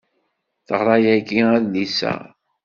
Teɣra yagi adlis-a.